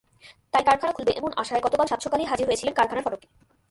তাই কারখানা খুলবে, এমন আশায় গতকাল সাতসকালেই হাজির হয়েছিলেন কারখানার ফটকে।